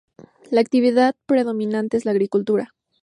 La actividad predominante es la agricultura.